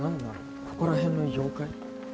ここら辺の妖怪？